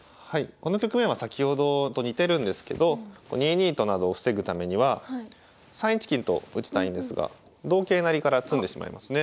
この局面は先ほどと似てるんですけど２二と金などを防ぐためには３一金と打ちたいんですが同桂成から詰んでしまいますね。